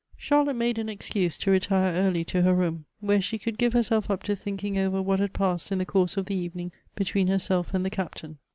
Charlotte made an excuse to retire early to her room, where she could give herself up to thinking over what had passed in the course of the evening between herself and the Captain.